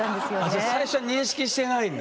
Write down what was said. じゃあ最初認識してないんだ。